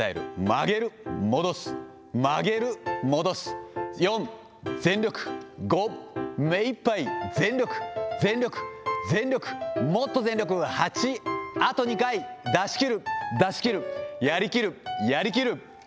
曲げる、戻す、曲げる、戻す、４、全力、５、めいっぱい、全力、全力、全力、もっと全力、８、あと２回、出し切る、出し切る、やりきる、やりきる。